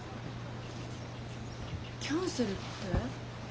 キャンセルって。